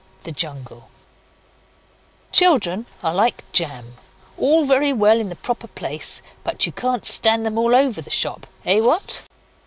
THE JUNGLE Children are like jam: all very well in the proper place, but you can't stand them all over the shop eh, what?